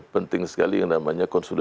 penting sekali yang namanya